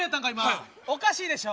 おかしいでしょ。